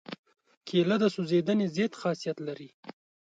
کېله د سوځېدنې ضد خاصیت لري.